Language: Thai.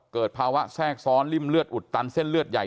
เกิดภาวะแทรกซ้อนริ่มเลือดอุดตันเส้นเลือดใหญ่